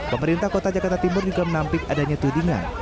pemerintah kota jakarta timur juga menampik adanya tudingan